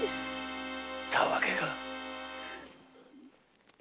たわけが。